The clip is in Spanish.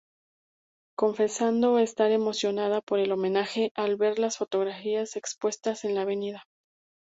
Confesando estar emocionada por el homenaje, al ver las fotografías expuestas en la avenida.